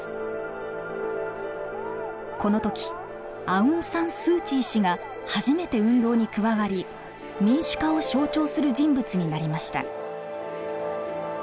この時アウン・サン・スー・チー氏が初めて運動に加わり民主化を象徴する人物になりました。